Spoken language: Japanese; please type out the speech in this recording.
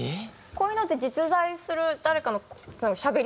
こういうのって実在する誰かのしゃべり。